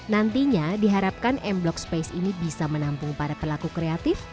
nantinya diharapkan m block space ini bisa menampung para pelaku kreatif